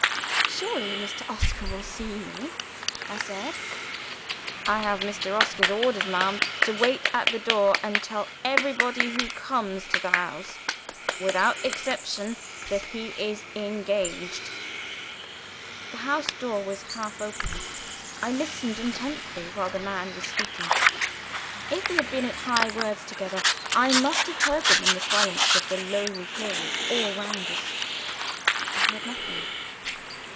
"Surely Mr. Oscar will see me?" I said. "I have Mr. Oscar's orders, ma'am, to wait at the door, and tell everybody who comes to the house (without exception) that he is engaged." The house door was half open. I listened intently while the man was speaking. If they had been at high words together, I must have heard them in the silence of the lonely hills all round us. I heard nothing.